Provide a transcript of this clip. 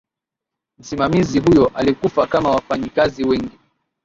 msimamizi huyo alikufa kama wafanyikazi wengi